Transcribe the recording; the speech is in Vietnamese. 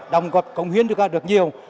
đồng cộp cộng huyến càng được nhiều